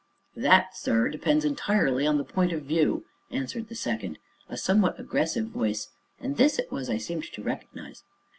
"That, sir, depends entirely on the point of view," answered the second, a somewhat aggressive voice, and this it was I seemed to recognize.